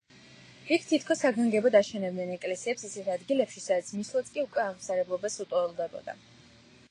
იქ თითქოს საგანგებოდ აშენებდნენ ეკლესიებს ისეთ ადგილებში, სადაც მისვლაც კი უკვე აღმსარებლობას უტოლდებოდა.